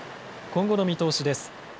今後の見通しです。